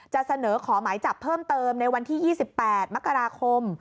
จะเสนอขอหมายจับเพิ่มเติมในวันที่๒๘มกราคม